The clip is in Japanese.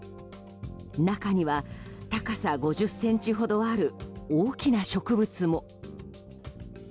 中には、高さ５０ｃｍほどある大きな植物も。